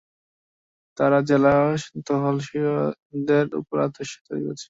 তাঁরা জেলার তহশিলদারদের উপরও আদেশ জারি করেছেন।